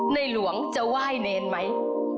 ในหลวงจะไหว้เนรไหม